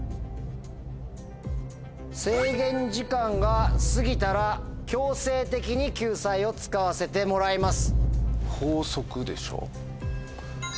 制限時間が過ぎたら強制的に救済を使わせてもらいます。